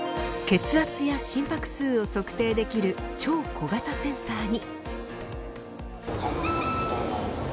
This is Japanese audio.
血圧や心拍数を測定できる超小型センサーに。